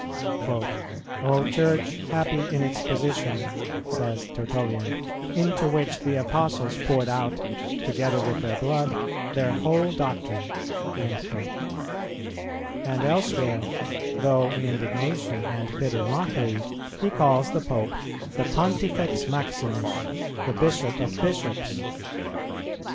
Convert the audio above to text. "O Church, happy in its position," says Tertullian, "into which the Apostles poured out, together with their blood, their whole doctrine;" and elsewhere, though in indignation and bitter mockery, he calls the Pope "the Pontifex Maximus, the Bishop of Bishops."